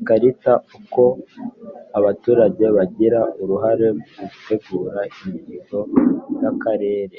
Ikarita Uko abaturage bagira uruhare mu gutegura imihigo y akarere